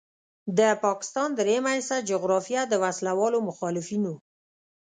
د پاکستان دریمه حصه جغرافیه د وسلوالو مخالفینو